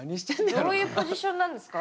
どういうポジションなんですか？